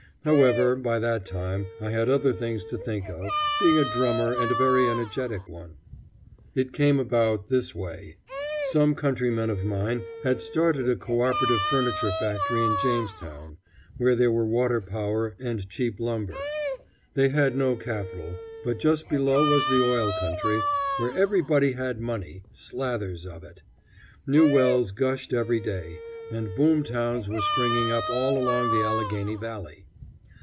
However, by that time I had other things to think of, being a drummer and a very energetic one. It came about in this way: some countrymen of mine had started a cooperative furniture factory in Jamestown, where there were water power and cheap lumber. They had no capital, but just below was the oil country, where everybody had money, slathers of it. New wells gushed every day, and boom towns were springing up all along the Allegheny valley.